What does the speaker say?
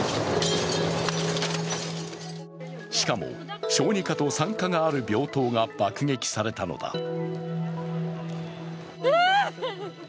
しかも小児科と産科がある病棟が爆撃されたのだ。